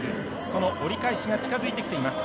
その折り返しが近づいてきています。